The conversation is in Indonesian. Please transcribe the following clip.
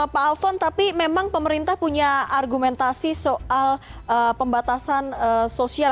pak alfon tapi memang pemerintah punya argumentasi soal pembatasan sosial